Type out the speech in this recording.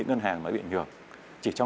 cảnh báo nguy cơ